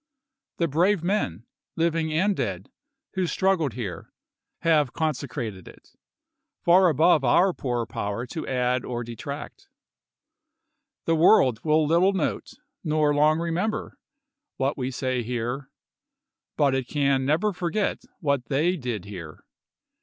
The brave men, living and dead, who struggled here, have consecrated it, far above our poor power to add or de tract. The world will little note, nor long remember, what we say here, but it can never forget what they did here.